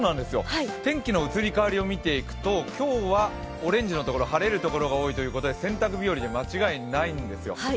天気の移り変わりを見ていくと今日はオレンジの所、晴れる所が多いということで洗濯日和で間違いないんですよ。